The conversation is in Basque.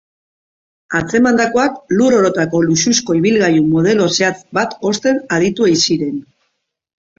Atzemandakoak lur orotarako luxuzko ibilgailu modelo zehatz bat osten aditu ei ziren.